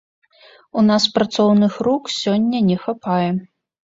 У нас працоўных рук сёння не хапае.